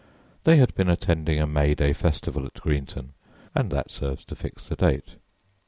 They had been attending a May Day festival at Greenton; and that serves to fix the date.